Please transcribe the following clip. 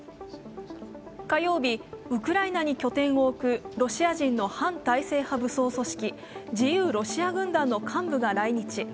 火曜日、ウクライナに拠点を置くロシア人の反体制派武装組織自由ロシア軍団の幹部が来日。